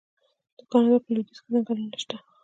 د کاناډا په لویدیځ کې ځنګلونه شته.